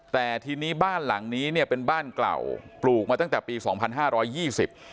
แต่ทีนี้บ้านหลังนี้เนี่ยเป็นบ้านเก่าปลูกมาตั้งแต่ปีสองพันห้าร้อยยี่สิบ